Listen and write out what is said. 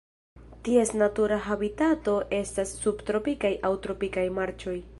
Ties natura habitato estas subtropikaj aŭ tropikaj marĉoj.